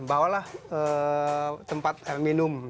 bawalah tempat air minum